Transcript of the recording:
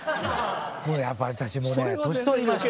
もうねやっぱり私もうね年取りました。